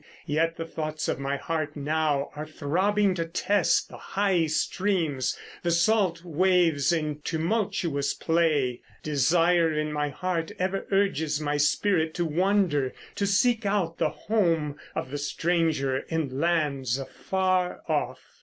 Yet the thoughts of my heart now are throbbing To test the high streams, the salt waves in tumultuous play. Desire in my heart ever urges my spirit to wander, To seek out the home of the stranger in lands afar off.